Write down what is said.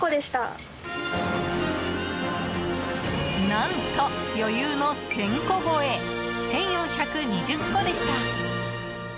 何と余裕の１０００個超え１４２０個でした。